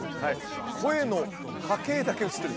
声の波形だけ映ってるんです。